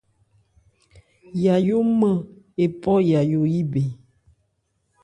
Yayó nman ephɔ́ Nmɔya yí bɛn.